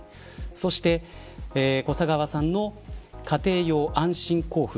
そして小砂川さんの家庭用安心坑夫